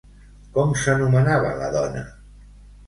Com s'anomenava la dona?